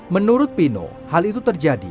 menurut pino hal itu terjadi